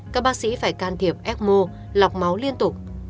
các bác sĩ phải can thiệp ecmo lọc máu liên tục